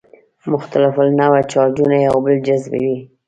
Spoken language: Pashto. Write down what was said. مختلف النوع چارجونه یو بل جذبوي.